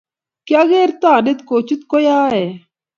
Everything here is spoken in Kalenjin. kiageer toonde kochut koyoe